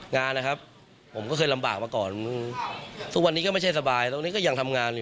งานนะครับผมก็เคยลำบากมาก่อนทุกวันนี้ก็ไม่ใช่สบายตรงนี้ก็ยังทำงานอยู่